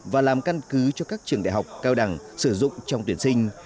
và làm căn cứ cho các trường đại học cao đẳng sử dụng trong tuyển sinh